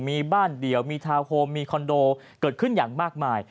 มีบ้านเดี่ยวมีทาวน์โฮมมีคอนโดเกิดขึ้นอย่างมากมาย